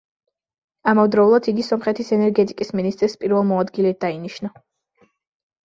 ამავდროულად, იგი სომხეთის ენერგეტიკის მინისტრის პირველ მოადგილედ დაინიშნა.